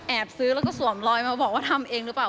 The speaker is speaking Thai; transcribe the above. ซื้อแล้วก็สวมรอยมาบอกว่าทำเองหรือเปล่า